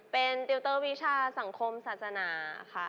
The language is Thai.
เป็นติวเตอร์วิชาสังคมศาสนาค่ะ